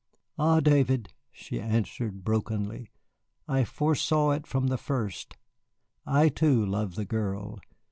"Ah, David," she answered brokenly, "I foresaw it from the first. I, too, love the girl.